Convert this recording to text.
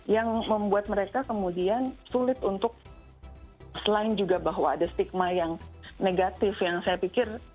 yang membuat mereka kemudian sulit untuk selain juga bahwa ada stigma yang negatif yang saya pikir